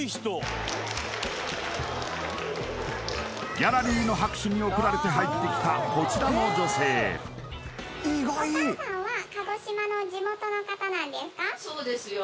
ギャラリーの拍手に送られて入ってきたこちらの女性そうですよ